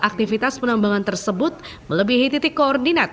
aktivitas penambangan tersebut melebihi titik koordinat